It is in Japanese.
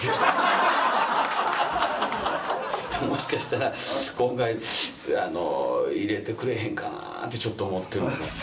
もしかしたら今回あの入れてくれへんかなってちょっと思ってる。